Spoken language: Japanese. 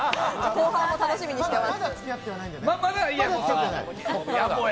後半も楽しみにしてます。